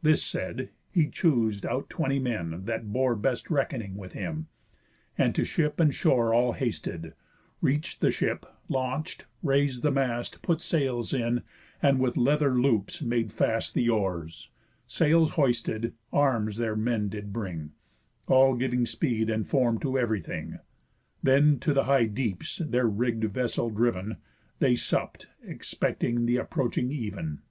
This said, he choos'd out twenty men, that bore Best reckoning with him, and to ship and shore All hasted, reach'd the ship, launch'd, rais'd the mast, Put sails in, and with leather loops made fast The oars; sails hoisted, arms their men did bring, All giving speed and form to ev'rything. Then to the high deeps their rigg'd vessel driven, They supp'd, expecting the approaching even.